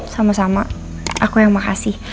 sama sama aku yang makasih